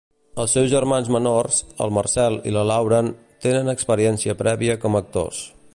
Els seus germans menors, el Marcel i la Lauren, tenen experiència prèvia com a actors.